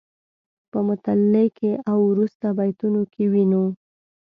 په مطلع کې او وروسته بیتونو کې وینو.